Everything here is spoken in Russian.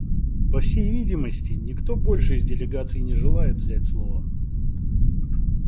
По всей видимости, никто больше из делегаций не желает взять слово.